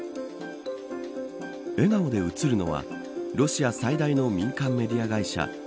笑顔で写るのはロシア最大の民間メディア会社